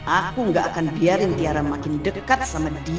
aku gak akan biarin tiara makin dekat sama dia